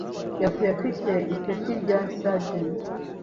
Yapfuye afiye ipeti rya Sergent.